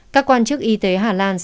các quan chức y tế hà lan